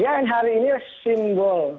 yang hari ini simbol